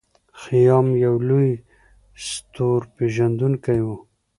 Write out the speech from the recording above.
خیام یو لوی ستورپیژندونکی و.